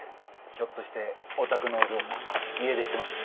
ひょっとしてお宅のお嬢さん家出してます？